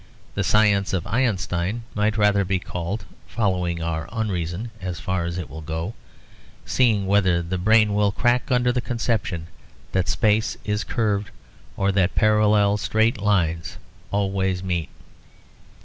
The science of Einstein might rather be called following our unreason as far as it will go, seeing whether the brain will crack under the conception that space is curved, or that parallel straight lines always meet.